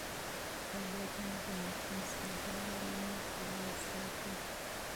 فعالیتونه د ماشوم ذهن فعال ساتي.